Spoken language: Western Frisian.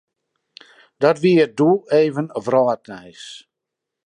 Dat wie doe even wrâldnijs.